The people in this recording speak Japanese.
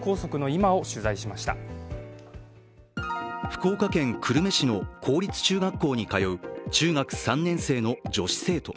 福岡県久留米市の公立中学校に通う中学３年生の女子生徒。